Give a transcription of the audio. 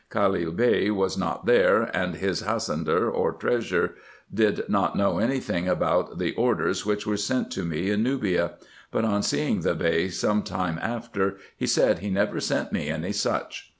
Khalil Bey was not there, and his Has nadar or treasurer did not know any thing about the orders, which were sent to me in Nubia : but on seeing the Bey sometime after, he said he never sent me any such.